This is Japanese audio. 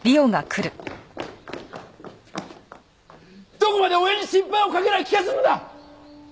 どこまで親に心配をかければ気が済むんだ！！